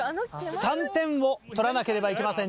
３点を取らなければいけません